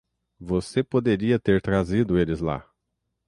Você poderia ter trazido eles lá!